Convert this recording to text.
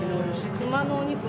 熊のお肉？